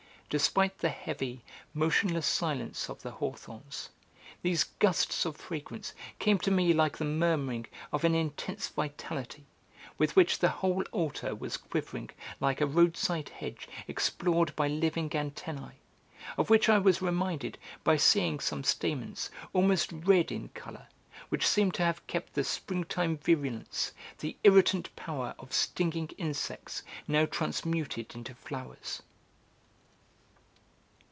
Despite the heavy, motionless silence of the hawthorns, these gusts of fragrance came to me like the murmuring of an intense vitality, with which the whole altar was quivering like a roadside hedge explored by living antennae, of which I was reminded by seeing some stamens, almost red in colour, which seemed to have kept the springtime virulence, the irritant power of stinging insects now transmuted into flowers.